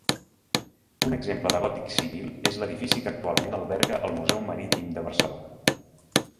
Un exemple de gòtic civil és l'edifici que actualment alberga el museu marítim de Barcelona.